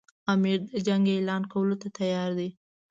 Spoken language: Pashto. امیر د جنګ اعلان کولو ته تیار دی.